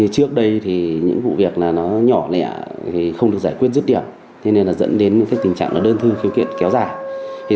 trước đây những vụ việc nhỏ lẹ không được giải quyết dứt điểm dẫn đến tình trạng đơn thư khiếu kiện kéo dài